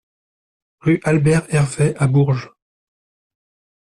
Rue Albert Hervet à Bourges